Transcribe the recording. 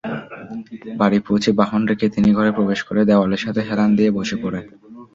বাড়ি পৌঁছে বাহন রেখে তিনি ঘরে প্রবেশ করে দেওয়ালের সাথে হেলান দিয়ে বসে পড়েন।